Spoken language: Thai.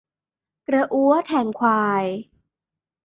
กระอั้วแทงควาย